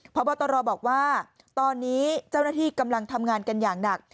พบตรบอกว่าตอนนี้เจ้าหน้าที่กำลังทำงานกันอย่างหนัก